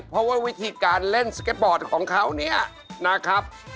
เพราะว่าวิธีการเล่นสเก็ตบอร์ดของเขาเนี่ยนะครับ